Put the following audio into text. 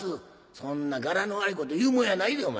そんな柄の悪いこと言うもんやないでお前。